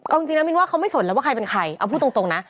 เอาจริงนะมินว่าเขาไม่สนแล้วว่าใครเป็นใครเอาพูดตรงนะ